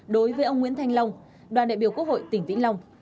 đối với ông nguyễn thanh long đoàn đại biểu quốc hội tỉnh vĩnh long